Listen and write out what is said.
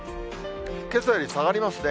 けさより下がりますね。